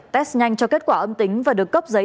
test nhanh cho kết quả âm tính và được cấp giấy